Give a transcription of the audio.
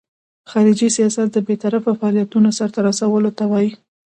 خارجي سیاست د بیطرفه فعالیتونو سرته رسولو ته وایي.